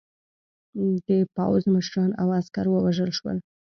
د پوځ مشران او عسکر ووژل شول.